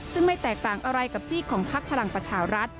ซึ่งไม่แตกต่างอะไรกับซีกของพักพลังประชารัฐ